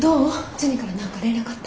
ジュニから何か連絡あった？